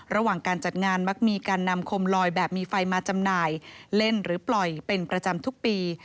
ระหว่างการจัดงานมักมีการนำคมลอยแบบมีไฟมาจำหน่ายเล่นหรือปล่อยเป็นประจำทุกปี